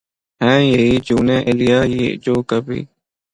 ہیں یہی جونؔ ایلیا جو کبھی